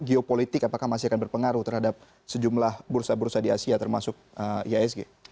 geopolitik apakah masih akan berpengaruh terhadap sejumlah bursa bursa di asia termasuk iasg